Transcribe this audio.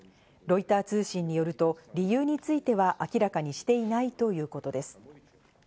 ロイター通信によると理由については明らかにしていないということです。